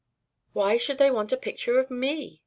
"Why should they want a picture of me?"